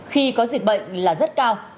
khi có dịch bệnh là rất cao